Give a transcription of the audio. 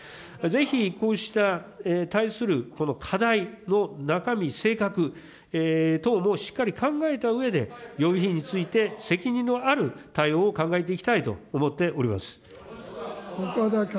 ぜひ、こうした対するこの課題の中身、性格等もしっかり考えたうえで、予備費について、責任のある対応を考えていきたいと思っております。